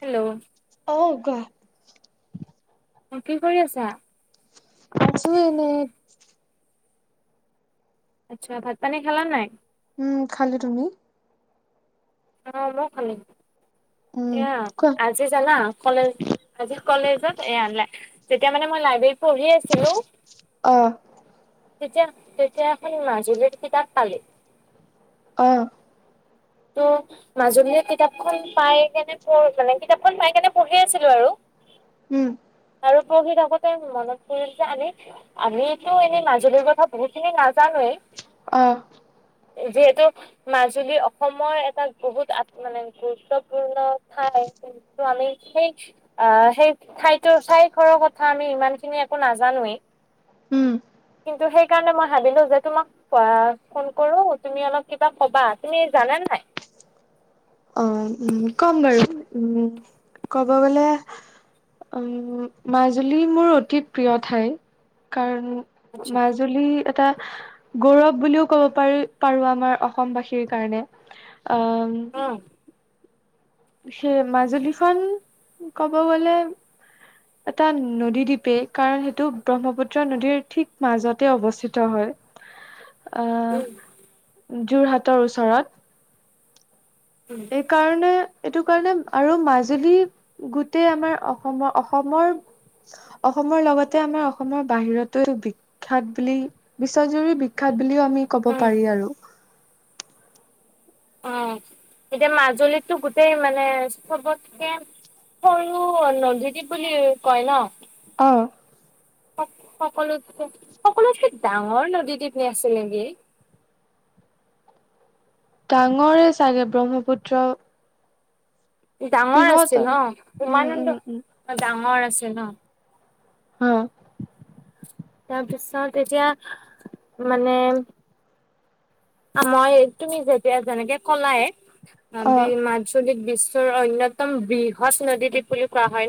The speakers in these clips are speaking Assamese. হেল্ল' অ কোৱা। অ, কি কৰি আছা? আছোঁ এনে। আচ্ছা ভাত পানী খালা নাই? উম খালোঁ তুমি? অঁ মও খালো। উম এয়া কোৱা আজি জানা কলেজ আজি কলেজত এইয়া। তেতিয়া মনে মই লাইবেৰিত। পঢ়ি আছিলো। অ তেতিয়া তেতিয়া এখন মাজুলিত কিতাপ পালো। অঁ। ত' মাজুলীৰে কিতাপখন পাই কেনে পঢ় মানে কিতাপখন পাই কেনে পঢ়ি আছিলো আৰু। উম। আৰু পঢ়ি থাকোতে মনত পৰিল যে আমি আমিতো এনে মাজুলীৰ কথা বহুত খিনি নাজানোৱেই। অঁ। যিহেতু মাজুলী। অসমৰ এটা বহুত মানে গুৰুত্বপূৰ্ণ ঠাই কিন্তু আমি সেই আহ সেই ঠাইতৰ ঠাই ঘৰৰ কথা আমি ইমানখিনি একো নাজানোৱেই। উম। কিন্তু সেইকাৰণে মই ভাবিলো যে তোমাক ফোন কৰো তুমি অলপ কিবা কবা তুমি। জানা নে নাই? অঁ, উম কম বাৰু উম ক'ব গলে উম মাজুলী মোৰ অতি প্ৰিয় ঠাই কাৰণ, আচ্ছা মাজুলী এটা। গৌৰৱ বুলিও ক'ব পাৰি পাৰো আমাৰ অসমবাসীৰ কাৰণে, অঁ। উম সেই মাজুলীখন ক'ব গলে এটা নদীদ্বীপেই কাৰণ সেইটো ব্ৰহ্মপুত্ৰ নদীৰ ঠিক মাজতে অৱস্থিত হয়। উম অঁ। যোৰহাটৰ ওচৰত। উম এইকাৰণে। এইটো কাৰণে আৰু মাজুলী গোটেই আমাৰ অসমৰ অসমৰ অসমৰ লগতে আমাৰ অসমৰ বাহিৰতো বিখ্যাত বুলি বিশ্বজুৰি বিখ্যাত। বুলিও আমি কব উম পাৰি আৰু। অ এতিয়া মাজুলীততো গোটেই মানে চবতকে সৰু নদীদ্বীপ বুলি কয় ন। অঁ। সকলোতকৈ সকলোতকৈ ডাঙৰ নদী দীপ হৈ আছিল নেকি? ডাঙৰে চাগে ব্ৰহ্মপুত্ৰ। ডাঙৰ আছিল বৃহৎ আৰু ন উম উম ইমানন্দ উম ডাঙৰ আঁ। আছিল অঁ। হম। তাৰপিছত এতিয়া মানে। মই তুমি যেতিয়া যেনেকৈ কলাই। আম অ মাজুলীৰ বেছি। অন্যতম বৃহৎ নদীত। বুলি কোৱা হয়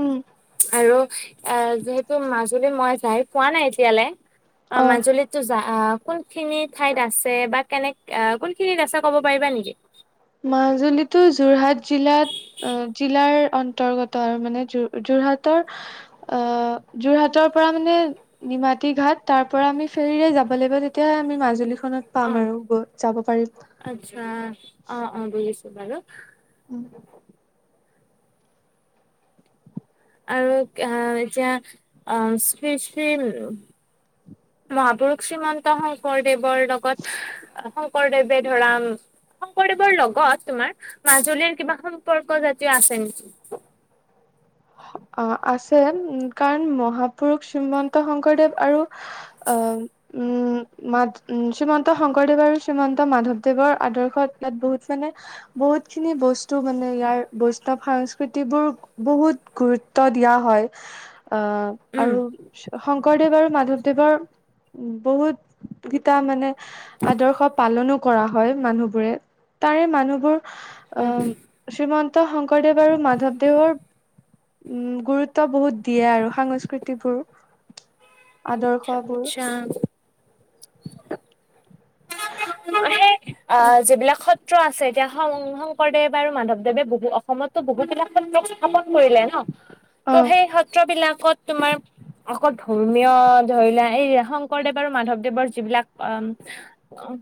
উম আৰু। অঁ যিহেতু মাছ। বুলি মই যাই পোৱা নাই এতিয়ালৈ অঁ অ মাজুলীততো যা অঁ কোন খিনিত ঠাইত আছে বা কেনেক কোনখিনিত আছে ক'ব পাৰিবা নেকি মাজুলীতটো যোৰহাট জিলাত। জিলাৰ অন্তৰ্গত আৰু মানে যোৰহাটৰ আহ যোৰহাটৰ পৰা মানে নিমাতী ঘাট তাৰ পৰা আমি ফেৰিৰে যাব লাগিব তেতিয়াহে আমি মাজুলী ত অ পাম আৰু যাব পাৰি অঁ অঁ। ছো বাৰ উম। আৰু আঁহ এতিয়া অঁ, শ্ৰী শ্ৰী মহাপুৰুষ শ্ৰীমন্ত শংকৰদেৱৰ দেৱৰ লগত শংকৰদেৱে ধৰাম শংকৰদেৱৰ লগত তোমাৰ মাজুলীৰ কিবা সম্পৰ্ক জাতীয় আছে নেকি অঁ আছে উ কাৰণ মহাপুৰুষ শ্ৰীমন্ত শংকৰদেৱ আৰু আহ উম ম উ শ্ৰীমন্ত শংকৰদেৱ আৰু শ্ৰীমন্ত মাধৱদেৱৰ আদৰ্শত ইয়াত বহুত মানে বহুত খিনি বস্তু মানে ইয়াৰ বৈষ্ণৱ সংস্কৃতিবোৰ বহুত গুৰুত্ব দিয়া হয়। অঁ উম। আৰু শংকৰদেৱ আৰু মাধৱদেৱৰ বহুতকেইটা মানে আদৰ্শ পালনো কৰা হয় মানুহবোৰে তাৰে মানুহবোৰ অম শ্ৰীমানন্ত শংকৰদেৱ আৰু মাধৱদেৱৰ। উম গুৰুত্ব বহুত দিয়ে আৰু সংস্কৃতিবোৰ আদৰ্শ আচ্ছা [unintelligible] অঁ যিবিলাকত পত্ৰ আছে এতিয়া শং শংকৰদেৱ আৰু মাধৱদেৱে বহু অসমতো বহু বিলাক পত্ৰ স্থাপন কৰিলে ন ত' অ সেই সত্ৰ বিলাকত তোমাৰ অকল ধৰ্মীয় ধৰিলা এই শংকৰদেৱ আৰু মাধৱদেৱৰ যিবিলাক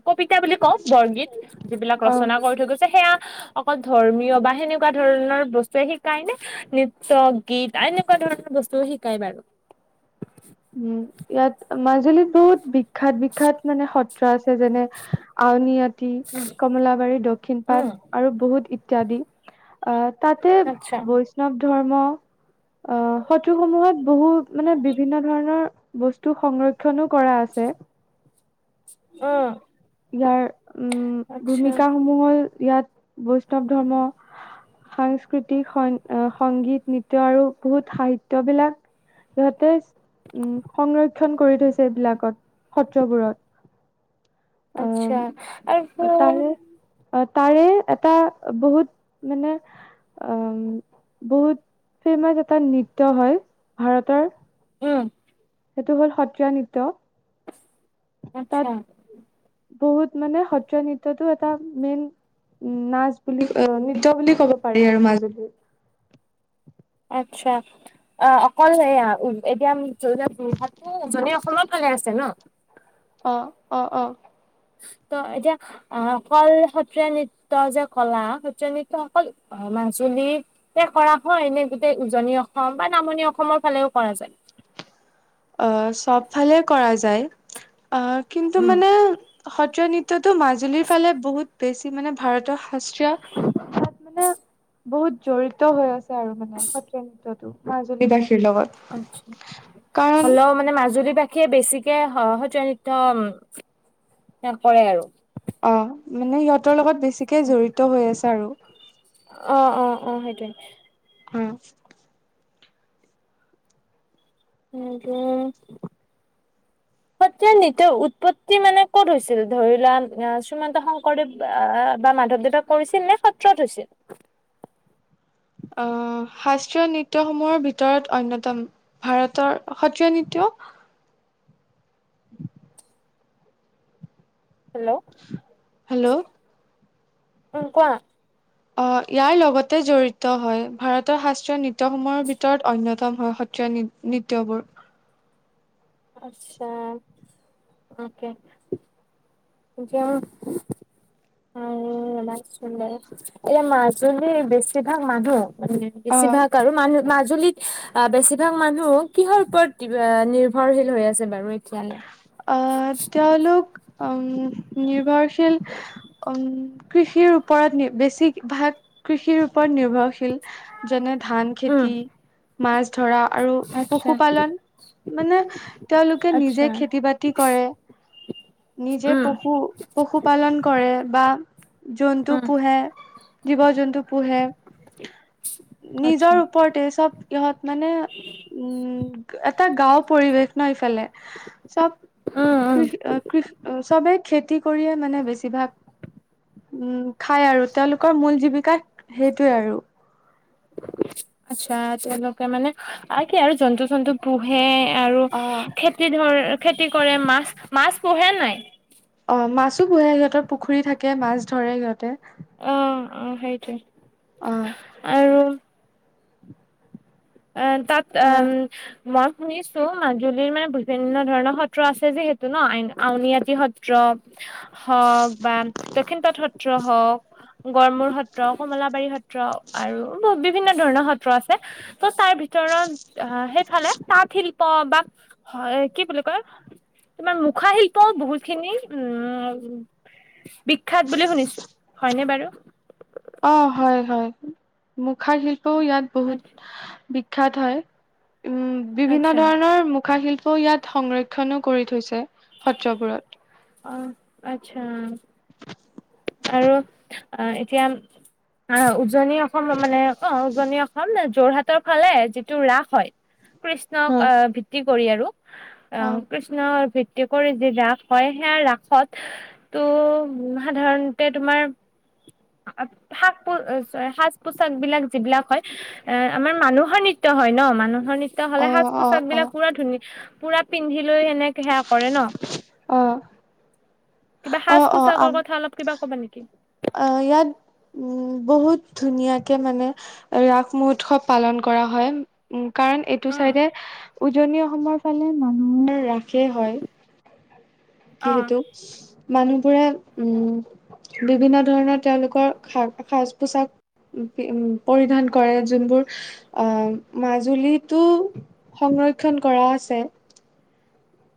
কবিতা অ' বৰগীত যিবিলাক অ ৰচনা কৰি থৈ গৈছে সেয়া অকল ধৰ্মীয় বা সেনেকুৱা ধৰণৰ বস্তুৱে শিকায় নে নৃত্য-গীত এনেকুৱা ধৰণৰ বস্তুৱে শিকায় বাৰু উম, ইয়াত মাজুলীত বহুত বিখ্যাত, বিখ্যাত মানে সত্ৰ আছে যেনে, আউনীআটী কমলাবাৰী, দক্ষিণ উম পাট আৰু বহুতো ইত্যাদি ইত্যাদি। অ'তাতে আচ্ছা বৈষ্ণৱ ধৰ্ম অ' সত্ৰসমূহত বহু মানে বিভিন্ন ধৰণৰ বস্তু সংৰক্ষণো কৰা আছে। অ'। ইয়াৰ উম ভূমিকা সমূহ হ'ল ইয়াত বৈষ্ণৱ ধৰ্ম সাংস্কৃতিক আহ সংগীত নৃত্য আৰু বহুত সাহিত্যবিলাক সিহঁতে উ সংৰক্ষণ কৰি থৈছে এইবিলাকত সত্ৰবোৰত। আহ আচ্ছা আৰু অঁ, তাৰে এটা বহুত মানে উ, বহুত ফেমাচ এটা নৃত্য হয় ভাৰতৰ উম। সেইটো হ'ল সত্ৰীয়া নৃত্য। তাত আচ্ছা। বহুত মানে সত্ৰীয়া নৃত্যয়টো এটা মেইন নাচ বুলি নৃত্য বুলি ক'ব পাৰি আৰু মাজুলীৰ। আচ্ছা অ' অকল এয়া এতিয়া ধৰি লোৱা [unintelligible] অসমৰ ভাল আছে ন' অঁ অঁ অঁ। ত' এতিয়া আহ অকল সত্ৰীয়া নৃত্য যে কলা, সত্ৰীয়া নৃত্য অকল অহ মাজুলীতে কৰা হয় নে গোটেই উজনি অসম বা নামনি অসমৰ ফালেও কৰা যায়। অঁ চব ফালে কৰা যায়। অঁ, কিন্তু উম মানে সত্ৰীয়া নৃত্য মাজুলীৰ ফালে বহুত বেছি মানে ভাৰতৰ শাস্ত্ৰীয় অৰ্থাৎ মানে বহুত জড়িত হৈ আছে আৰু মানে সত্ৰীয়া নৃত্যটো মাজুলী বা শ্বিলংত আচ্ছা। হ'লেও মানে মাজুলী বাসী, সেই বেছিকে সত্ৰীয়া নৃত্য কৰে আৰু, অ' মানে সিহঁতৰ লগত বেছি, বেছিকৈ জড়িত হৈ আছে। আৰু। অঁ অঁ অঁ সেইটোৱে। উম। উ সত্ৰীয়া নৃত্য উৎপত্তি মানে ক'ত হৈছিল, ধৰি লোৱা শ্ৰীমন্তশংকৰদেৱ বা মাধৱদেৱে কৰিছিল নে সত্ৰত হৈছিল? অঁ, শাস্ত্ৰীয় নৃত্যসমূহৰ ভিতৰত অন্যতম ভাৰতৰ সত্ৰীয়া নৃত্য। Hello um hello. কোৱা? আহ ইয়াৰ লগতে জড়িত হয় ভাৰতৰ শাস্ত্ৰীয় নৃত্যসমূহৰ ভিতৰত অন্যতম হয় সত্ৰীয়া নৃত্যবোৰ। আচ্ছা অঁ। [unintelligible] বেছিভাগ মানুহ আহ বেছিভাগ আৰু মানুহ। মাজুলীত অ বেছিভাগ মানুহ কিহৰ ওপৰত নিৰ্ভৰশীল হৈ আছে বাৰু। এতিয়ালৈ আহ তেওঁ লোক। অম নিৰ্ভৰ। উম। কৃষিৰ ওপৰত নি বেছি ভাগ কৃষিৰ ওপৰত নি। ভৰশীল যেনে ধান উম খেতি, মাছ ধৰা আৰু আচ্ছা পশুপালন মানে তেওঁলোক আচ্ছা নিজেই খেতি বাতি কৰে, নিজেই উম পশু পালন কৰে, বা বা জন্তু উম পুহে। জীৱ জন্তু পোহে। নিজৰ আচ্ছা ওপৰতে চব ইহত মানে, উম এটা গাও। পৰিৱেশ ন ইফালে। চব উম উম [unintelligible] চবেই খেতি কৰিয়ে মানে বেছিভাগ, উম খায় আৰু। তেওঁলোকৰ মূল জীৱিকাই সেইটোৱে আৰু। আচ্ছা তেওঁলোকে মানে আৰু কি আৰু জন্তু জন্তু পোহে আৰু অ খেতি ধৰ খেতি কৰে মাছ মাছ পোহে নাই? অ মাছো পুহে, সিহঁতৰ পুখুৰী থাকে মাছ ধৰে সিহঁতে। অ অ অ সেইটোৱে। আৰু এ তাত অ এম মই শুনিছো মাজুলীৰ মানে বিভিন্ন ধৰণৰ সত্ৰ আছে যিহেতু ন আ আউনীআটী সত্ৰ। হওক বা দক্ষিণ পাট সত্ৰ হওক। গড়মূুৰ সত্ৰ কমলাবাৰী সত্ৰ আৰু বহু বিভিন্ন ধৰণৰ সত্ৰ আছে। তাৰ ভিতৰত আহ সেইফালে তাঁত শিল্প বা কি বুলি কয়, তোমাৰ মুখা শিল্পও বহুত খিনি, উম বিখ্যাত বুলি শুনিছো। হয়নে বাৰু? অ হয় হয় মুখাৰ শিল্প ইয়াত আচ্ছা বহুত বি খ্যাত হয়। উম বিভিন্ন আচ্ছা ধৰণৰ মুখাশিল্ ইয়াত সংৰক্ষণো কৰি থৈছে। থৈছে সত্ৰবোৰত। আত্ছা। আৰু অ এতিয়া উম আহ উজনি অসমৰ মানে অ উজনি অ হ'ম ন যোৰহাটৰ ফালে যিটো ৰাস হয় অ কৃষ্ণক আহ ভিত্তি কৰি আৰু। অ ৰাম কৃষ্ণৰ ভি ভিত্তি কৰি যি ৰাস হয় সেয়া ৰাসত টো উ সাধাৰণ তোমাৰ সাক চ সাজ পোচাক বিলাক যিবিলাক হয় এ আমাৰ মানুহৰ নৃত্য হয় ন মানুহৰ নৃত্য। তেতিয়াহ'লে অ সাজ অ পোচাক বিলাক অ পুৰা ধুনীয়া। পুৰা পিন্ধি লৈ সেনেকে সেয়া কৰে ন। অ। কিবা সাচ -পোছাকৰ কথা অলপ কিবা ক'বা নেকি? কি আহ ইয়াত উম বহুত ধুনীয়াকে মানে ৰাস মহোৎসৱ পালন কৰা হয় উ। কাৰণ এইটো উম চাইডে। উজনি অসমৰ ফালে মানুহৰ ৰাসেই হয়। অ যিহেতু মানুহবোৰে উম। বিভিন্ন। ধৰণৰ তেওঁলোকৰ স সাজ পোচাক উম পৰিধান কৰে যোনবোৰ আহ মাজুলীতো সংৰক্ষণ কৰা আছে।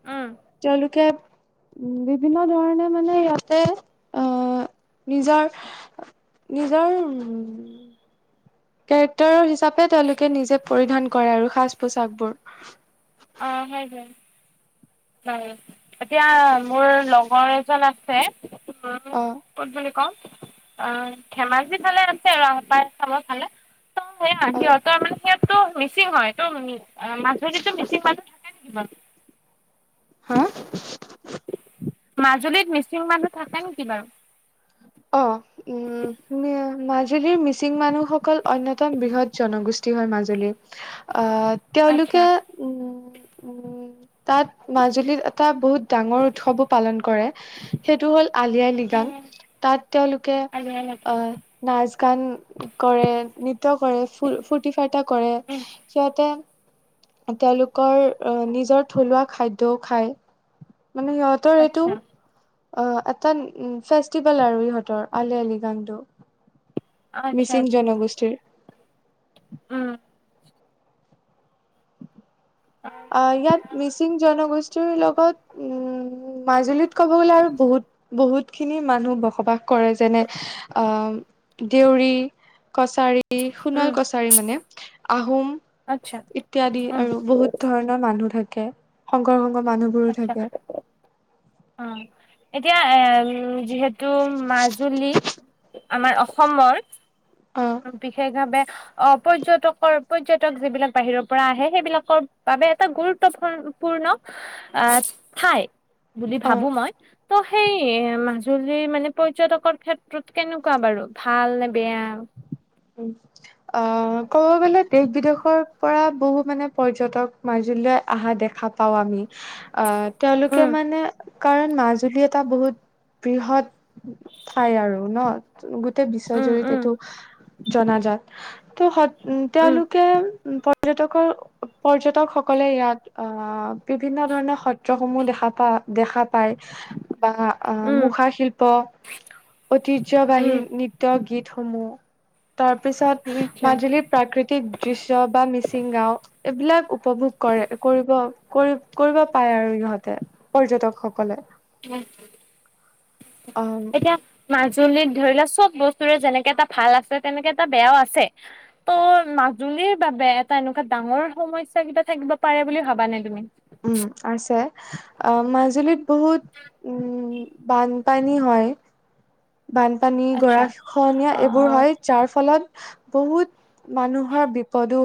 উম তেওঁলোকে উ বিভিন্ন ধৰণে মানে ইয়াতে আহ নিজৰ নিজৰ উ কেৰেক্টাৰৰ হিচাপে তেওঁলোকে নিজে পৰিধান কৰে আৰু সাজ -পোচাকবোৰ। অ হয় হয় বাই। এতিয়া মোৰ লগৰ এজন আছে। হে। তহঁতে অ ক'ত গলি কম। অ ধেমাজি ফালে আছে ৰাস আপাৰ আচামৰ ফালে। সিহঁতৰ সেয়া অ', সিহঁতৰ মানে সিহঁতে। তটো মিচিং হয় তটো। অ মাছ ভাজিটো মিচিং। থাকে কিমান। হা মাজুলীত। মিচিং মানুহ থাকে নেকি বাৰু? অ উম এনে। মাজুলীৰ মিচিং মানুহসকল অন্যতম বৃহৎ জনগোষ্ঠী হয় মাজুলীৰ। আহ আচ্ছা তেওঁলোকে উম। উম তাত মাজুলীত এটা বহুত। ডাঙৰ উৎসৱো পালন কৰে সেইটো হ'ল আলি আই লৃগাং। তাত তেওঁলোকে আচ্ছা আহ নাচ। কাৰণ। কৰে নৃত্য কৰে ফ ফূৰ্তি ফাৰ্তা কৰে সিহঁতে। তেওঁলোকৰ নিজৰ থলুৱা খাদ্যও খায়। মানে সিহঁতৰ এইটো। আচ্ছা অ এটা ফেষ্টিভেল আৰু ইহঁতৰ আলি আলি আই লৃগাং টো। মিচিং আচ্ছা জনগোষ্ঠীৰ। উম। অঁ ইয়াত মিচিং জনগোষ্ঠী, লগত মাজুলীত। ক'ব গ'লে আৰু বহুত। বহুতখিনি মানুহ বসবাস কৰে যেনে আহ দেউৰী, কছাৰী। এই সোণোৱাল উম কছাৰী মানে। আহোম। আচ্ছা ইত্যাদি উম আৰু বহুত। মানুহ থাকে শংকৰ। ম মানুহবোৰো আচ্ছা থাকে। অ। এতিয়া এ যিহেতু। টো মাজুলী। আমাৰ অসমৰ। অ বিশেষভাৱে আহ পৰ্যটকৰ পৰ্যটক যিবিলাক বাহিৰৰ পৰা আহে সেইবিলাকৰ বাবে এটা গুৰুত্বূৰ্পূৰ্ণ আহ ঠাই। বুলি অ ভাবো মই। ত' সেই মাজুলীৰ মানে পৰ্যটকৰ ক্ষেত্ৰত কেনেকুৱা বাৰু ভাল নে বেয়া। অঁ, ক'ব গলে দেশ বিদেশৰ পৰা বহু মানে পৰ্যটক মাজুলীলৈ অহা দেখা পাও আমি। আহ তেওঁলোকে উম মানে। কাৰণ মাজুলী এটা বহুত বৃহৎ ঠাই আৰু ন। বিশ্ব উম উম জৰিতেটো। জনাজাত ত। উম তেওঁলোকে। পৰ্যটকৰ পৰ্যটকসকলে ইয়াত আহ বিভিন্ন ধৰণৰ সত্ৰসমূহ দেখা পা দেখা পায়। বা উম মুখা শিল্প ঐতিহ্যবাহী উম নৃত্য গীত। থমো। তাৰ পিছত আচ্ছা মাজুলীৰ প্ৰাকৃতিক দৃশ্য বা মিচিং গাও এইবিলাক। উপভোগ কৰে কৰিব কৰি কৰিব পাৰে আৰু ইহঁতে পৰ্যটকসকলে। উম। আহ এতিয়া মাজুলী ধৰি লোৱা। চব বস্তুৰে যেনেকে এটা ভাল আছে তেনেকে এটা বেয়াও আছে ত' মাজুলীৰ বাবে এটা এনেকুৱা ডাঙৰ সমস্যা কিবা থাকিব পাৰে বুলি ভাবা নে তুমি। উম আছে মাজুলীত বহুত উ বানপানী হয়। বানপানী আচ্ছা গৰা খনীয়া এইবোৰ অ হয় যাৰ ফলত। বহুত মানুহৰ বিপদো।